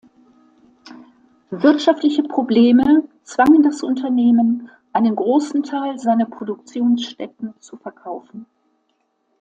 Wirtschaftliche Probleme zwangen das Unternehmen, einen großen Teil seiner Produktionsstätten zu verkaufen.